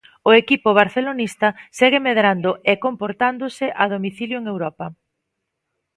O equipo barcelonista segue medrando e comportándose a domicilio en Europa.